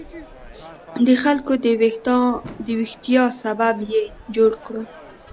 د خلکو د ویښتیا سبب یې جوړ کړو.